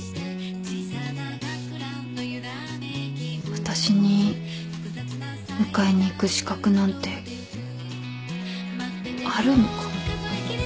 私に迎えに行く資格なんてあるのか？